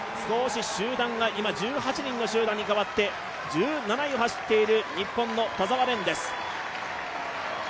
集団が今１８人の集団に変わっていて、１７位を走っている日本の田澤廉です。